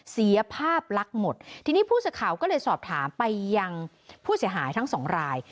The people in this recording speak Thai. เสียภาพลักษณ์หมดทีนี้ผู้สื่อข่าวก็เลยสอบถามไปยังผู้เสียหายทั้งสองราย